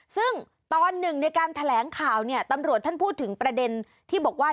ซึ่งตอนหนึ่งในการแถลงข่าวเนี่ยตำรวจท่านพูดถึงประเด็นที่บอกว่า